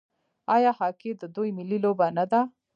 آیا هاکي د دوی ملي لوبه نه ده؟